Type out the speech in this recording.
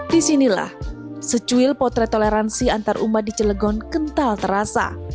disinilah secuil potret toleransi antarumah di cilegon kental terasa